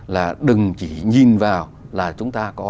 là đừng chỉ nhìn vào là chúng ta có